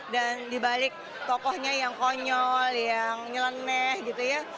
dan dibalik tokohnya yang konyol yang nyeleneh gitu ya